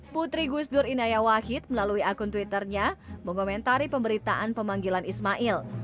putri gusdur inaya wahid melalui akun twitternya mengomentari pemberitaan pemanggilan ismail